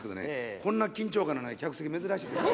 こんな緊張感のない客席珍しいですね。